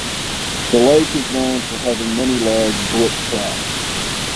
The lake is known for having many large brook trout.